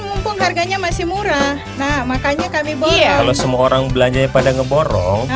mumpung harganya masih murah nah makanya kami bawa kalau semua orang belanjanya pada ngeborong